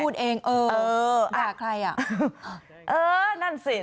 เออด่าใครอ่ะเออนั่นสิ